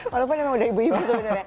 walaupun emang udah ibu ibu sebenarnya